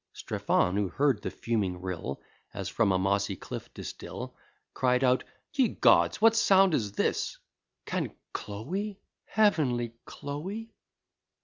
Strephon, who heard the fuming rill As from a mossy cliff distil, Cried out, Ye Gods! what sound is this? Can Chloe, heavenly Chloe